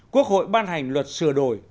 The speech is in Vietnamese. quốc hội ban hành luật sửa đổi